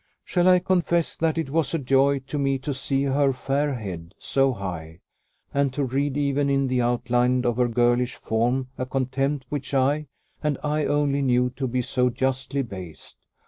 Shall I confess that it was a joy to me to see her fair head so high, and to read even in the outline of her girlish form a contempt which I, and I only, knew to be so justly based?